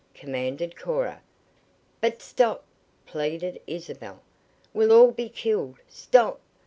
commanded Cora. "But stop!" pleaded Isabel. "We'll all be killed! Stop!